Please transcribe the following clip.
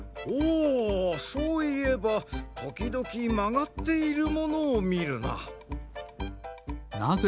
おおそういえばときどきまがっているものをみるな。